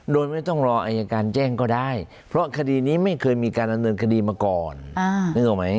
โดยไม่ต้องรออายการแจ้งก็ได้เพราะคดีนี้ไม่เคยมีการดำเนินคดีมาก่อนนึกออกไหม